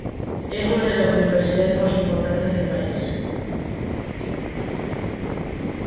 Es una de las universidades más importantes del país.